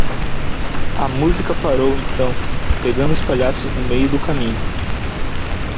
A música parou então? pegando os palhaços no meio do caminho.